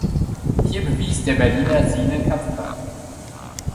Hier bewies der Berliner sine Kampfkraft.